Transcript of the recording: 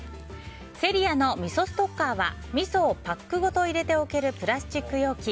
セリアのみそストッカーはみそをパックごと入れておけるプラスチック容器。